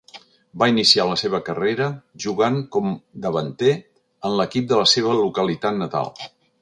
Va iniciar la seva carrera, jugant com davanter, en l'equip de la seva localitat natal.